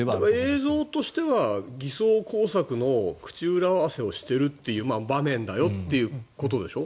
映像としては、偽装工作の口裏合わせをしているという場面だよということでしょ。